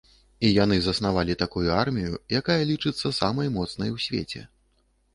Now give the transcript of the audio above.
І яны заснавалі такую армію, якая лічыцца самай моцнай у свеце.